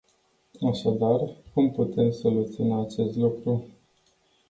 Așadar, cum putem soluționa acest lucru?